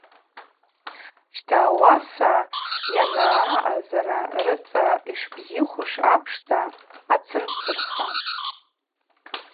Щта ауаса йанаъазара рыцӏа йшбзихуш апшта хӏацыншвырха.